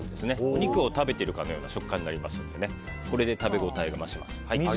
お肉を食べているかのような食感になりますので食べ応えが増します。